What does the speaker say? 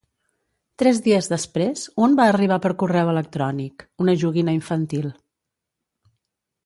Tres dies després, un va arribar per correu electrònic: una joguina infantil.